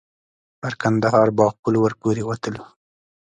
پر کندهار باغ پل ور پورې وتلو.